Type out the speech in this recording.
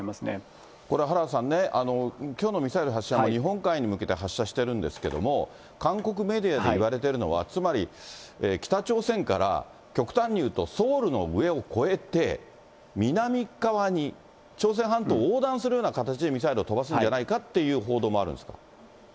これ原田さんね、きょうのミサイル発射も日本海に向けて発射してるんですけれども、韓国メディアでいわれているのは、つまり、北朝鮮から極端に言うとソウルの上を越えて、南っ側に、朝鮮半島を横断するような形でミサイルを飛ばすんじゃないかってそうですね。